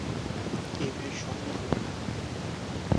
এই মেয়ের সংলাপই মনে নেই!